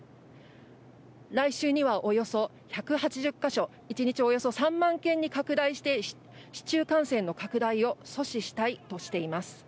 来週にはおよそ１８０か所、１日およそ３万件に拡大して、市中感染の拡大を阻止したいとしています。